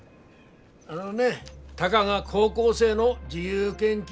あのねたかが高校生の自由研究です。